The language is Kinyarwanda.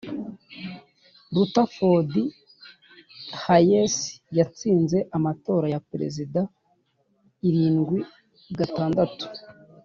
rutherford hayes yatsinze amatora ya perezida irindwi gatandatu